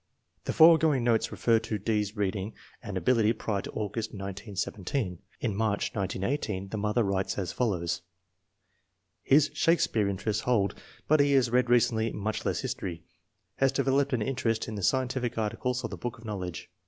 " The foregoing notes refer to D.'s reading and abili ties prior to August, 1917. In March, 1918, the mother writes as follows: "His Shakespeare interest holds, but he has read recently much less history. Has developed an interest in the scientific articles in the Book of Knowledge.